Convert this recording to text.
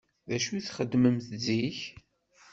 D acu i txeddmem zik?